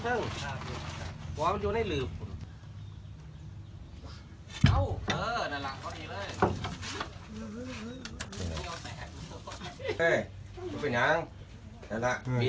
หัวมันอยู่ในหลือ